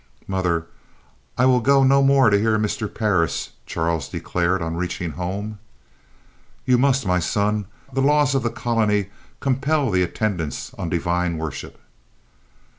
"Mother, I will go no more to hear Mr. Parris," Charles declared, on reaching home. "You must, my son. The laws of the colony compel the attendance on divine worship."